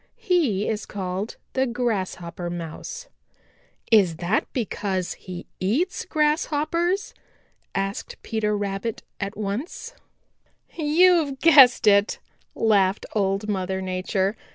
He is called the Grasshopper Mouse." "Is that because he eats Grasshoppers?" asked Peter Rabbit at once. "You've guessed it," laughed Old Mother Nature.